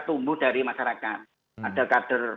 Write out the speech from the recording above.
tumbuh dari masyarakat ada kader